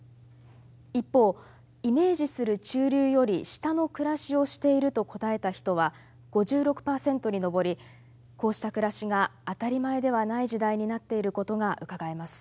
一方「イメージする中流より下の暮らしをしている」と答えた人は５６％に上りこうした暮らしが当たり前ではない時代になっていることがうかがえます。